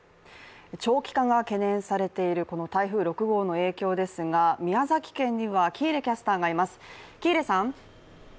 長期化が懸念されている台風６号の影響ですが宮崎県には喜入キャスターがいます。